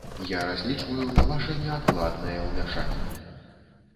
Я разлічваю на ваша неадкладнае ўмяшанне.